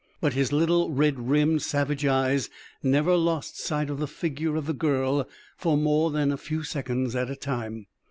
But his little, red rimmed, savage eyes never lost sight of the figure of the girl for more than a few seconds at a time.